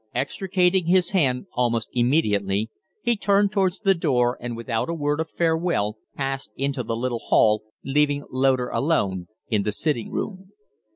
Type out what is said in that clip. Extricating his hand almost immediately, he turned towards the door and without a word of farewell passed into the little hall, leaving Loder alone in the sitting room.